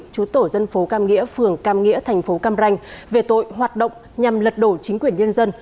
chú tổ dân phố cam nghĩa phường cam nghĩa thành phố cam ranh về tội hoạt động nhằm lật đổ chính quyền nhân dân